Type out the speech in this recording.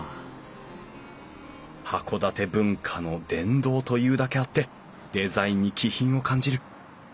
函館文化の殿堂というだけあってデザインに気品を感じる。